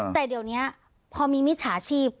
แต่เดี๋ยวนี้พอมีมิจฉาชีพ